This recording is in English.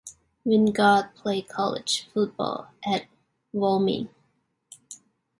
Wingard played college football at Wyoming.